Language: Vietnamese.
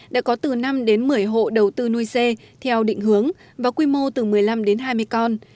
đã có từ năm đến một mươi hộ đầu tư nuôi dê theo định hướng và quy mô từ một mươi năm đến hai mươi con